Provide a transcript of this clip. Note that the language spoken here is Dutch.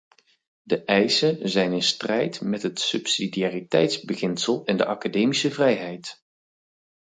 Die eisen zijn in strijd met het subsidiariteitsbeginsel en de academische vrijheid.